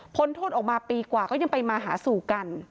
โทษออกมาปีกว่าก็ยังไปมาหาสู่กัน